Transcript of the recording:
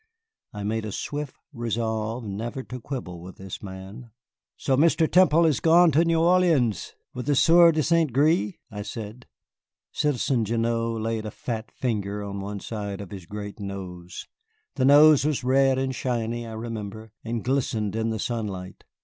I made a swift resolve never to quibble with this man. "So Mr. Temple has gone to New Orleans with the Sieur de St. Gré," I said. Citizen Gignoux laid a fat finger on one side of his great nose. The nose was red and shiny, I remember, and glistened in the sunlight.